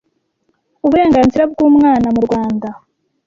uburenganzira bw ‘umwana mu Rwanda